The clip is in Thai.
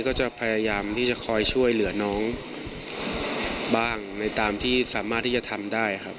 ก็จะพยายามที่จะคอยช่วยเหลือน้องบ้างในตามที่สามารถที่จะทำได้ครับ